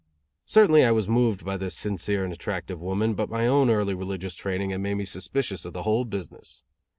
Certainly I was moved by this sincere and attractive woman, but my own early religious training had made me suspicious of the whole business.